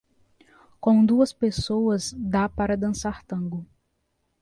Com duas pessoas dá para dançar tango.